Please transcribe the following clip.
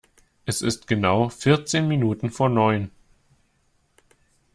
Es ist genau vierzehn Minuten vor neun!